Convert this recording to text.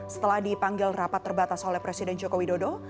setelah dipanggil rapat terbatas oleh presiden joko widodo